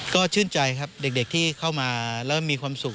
ก็ชื่นใจครับเด็กที่เข้ามาแล้วมีความสุข